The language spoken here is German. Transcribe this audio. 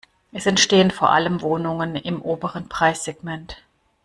Es entstehen vor allem Wohnungen im oberen Preissegment.